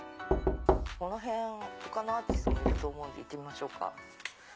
この辺他のアーティストもいると思うんで行ってみましょう。